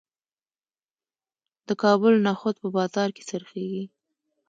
د کابل نخود په بازار کې خرڅیږي.